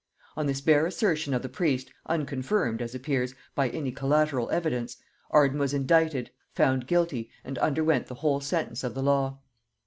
On this bare assertion of the priest, unconfirmed, as appears, by any collateral evidence, Arden was indicted, found guilty, and underwent the whole sentence of the law.